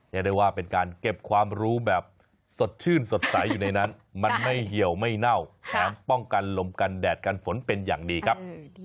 เรียกได้ว่าเป็นการเก็บความรู้แบบสดชื่นสดใสอยู่ในนั้นมันไม่เหี่ยวไม่เน่าแถมป้องกันลมกันแดดกันฝนเป็นอย่างดีครับ